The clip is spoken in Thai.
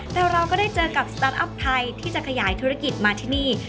แต่เราก็ได้เจอกับสตาร์ทอัพไทยที่จะขยายธุรกิจมาที่นี่